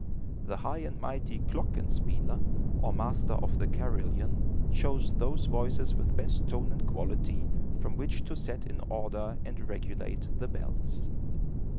The high and mighty klokken spieler, or master of the carillon, chose those voices with best tone and quality, from which to set in order and regulate the bells.